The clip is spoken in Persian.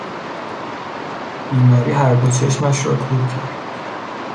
بیماری هر دو چشمش را کور کرد.